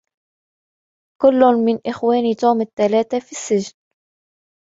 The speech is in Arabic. كلّ من إخوان توم الثّلاث في السّحن.